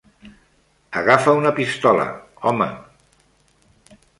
Agafa una pistola, home.